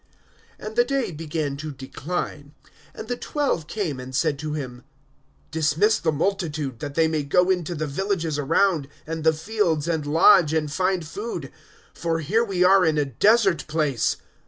(12)And the day began to decline. And the twelve came, and said to him: Dismiss the multitude, that they may go into the villages around, and the fields, and lodge, and find food; for here we are in a desert place.